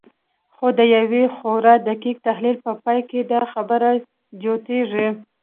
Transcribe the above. خو د يوه خورا دقيق تحليل په پايله کې دا خبره جوتېږي.